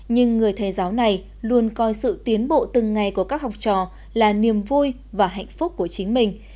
nhưng người thầy giáo này luôn coi sự tiến bộ từng ngày của các học trò là niềm vui và hạnh phúc của chính mình